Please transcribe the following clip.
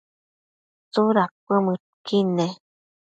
tsuda cuëmëdqui nec?